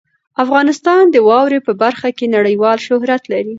افغانستان د واورو په برخه کې نړیوال شهرت لري.